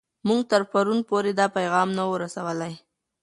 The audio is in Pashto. موږ تر پرون پورې دا پیغام نه و رسوولی.